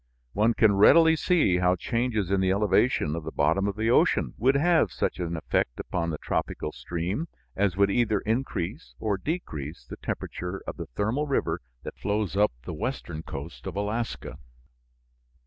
One can readily see how changes in the elevation of the bottom of the ocean would have such an effect upon the tropical stream as would either increase or decrease the temperature of the thermal river that flows up the western coast of Alaska.